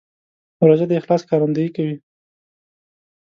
روژه د اخلاص ښکارندویي کوي.